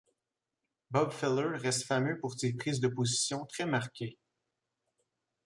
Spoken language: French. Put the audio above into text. Bob Feller reste fameux pour ses prises de position très marquée.